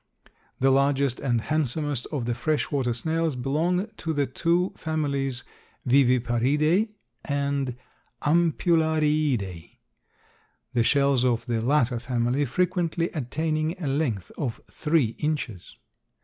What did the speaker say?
The largest and handsomest of the fresh water snails belong to the two families Viviparidae and Ampullariidae, the shells of the latter family frequently attaining a length of three inches.